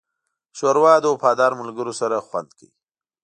ښوروا د وفادار ملګرو سره خوند کوي.